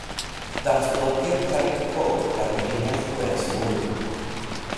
Datblygir cerrig coch gan driniaeth gwres mwyn.